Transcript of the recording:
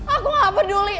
aku gak peduli